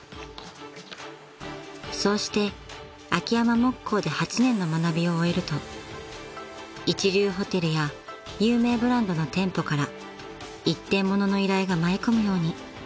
［そうして秋山木工で８年の学びを終えると一流ホテルや有名ブランドの店舗から一点物の依頼が舞い込むように］